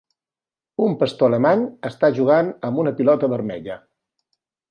Un pastor alemany està jugant amb una pilota vermella.